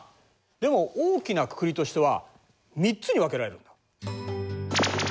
でも大きなくくりとしては３つに分けられるんだ。